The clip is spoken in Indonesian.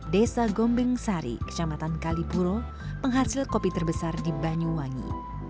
desa gombeng sari kecamatan kalipuro penghasil kopi terbesar di banyuwangi